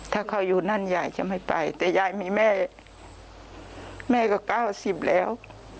ถ้าเขาอยู่นั่นยายจะไม่ไปแต่ยายมีแม่แม่ก็๙๐แล้ว